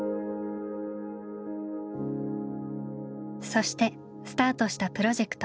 そしてスタートしたプロジェクト。